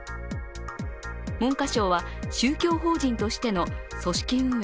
文科省は宗教法人としての組織運営